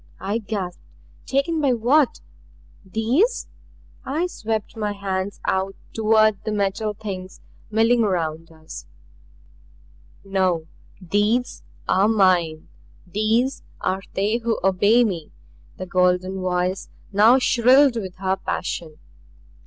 I gasped. "Taken by what these?" I swept my hands out toward the Metal Things milling around us. "No! THESE are mine. These are they who obey me." The golden voice now shrilled with her passion.